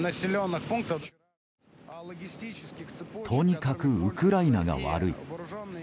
とにかくウクライナが悪い。